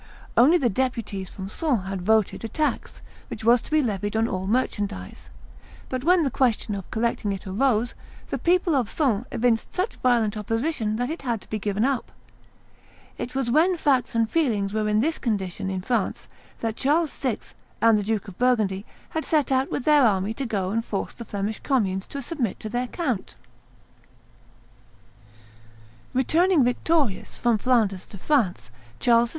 Only the deputies from Sens had voted a tax, which was to be levied on all merchandise; but, when the question of collecting it arose, the people of Sens evinced such violent opposition that it had to be given up. It was when facts and feelings were in this condition in France, that Charles VI. and the Duke of Burgundy had set out with their army to go and force the Flemish communes to submit to their count. [Illustration: The Procession went over the Gates 16] Returning victorious from Flanders to France, Charles VI.